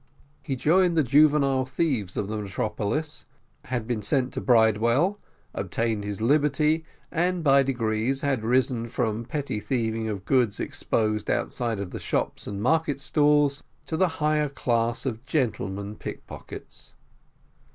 He joined the juvenile thieves of the metropolis, had been sent to Bridewell, obtained his liberty, and by degrees had risen from petty thieving of goods exposed outside of the shops and market stalls, to the higher class of gentlemen pickpockets.